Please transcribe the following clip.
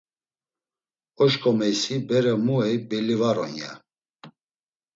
“Oşǩomeysi bere mu ey belli var on!” ya.